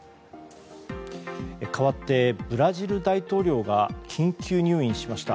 かわってブラジル大統領が緊急入院しました。